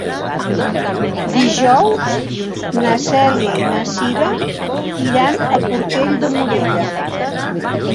Dijous na Cèlia i na Cira iran a Portell de Morella.